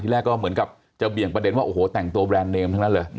แรกก็เหมือนกับจะเบี่ยงประเด็นว่าโอ้โหแต่งตัวแบรนดเนมทั้งนั้นเลย